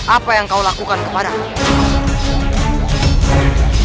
apa yang kau lakukan kepada aku